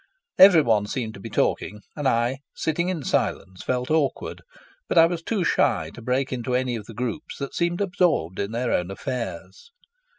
Everyone seemed to be talking, and I, sitting in silence, felt awkward; but I was too shy to break into any of the groups that seemed absorbed in their own affairs.